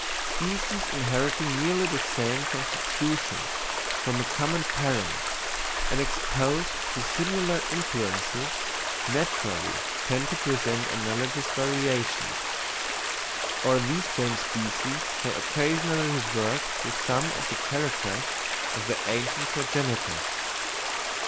Species inheriting nearly the same constitution from a common parent, and exposed to similar influences, naturally tend to present analogous variations, or these same species may occasionally revert to some of the characters of their ancient progenitors.